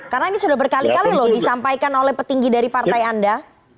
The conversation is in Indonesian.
karena ini sudah berkali kali loh disampaikan oleh petinggi dari partai anda